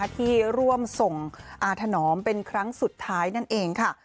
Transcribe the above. ที่ร่วมส่งอาถนอมเป็นครั้งสุดท้ายนั่นเองค่ะ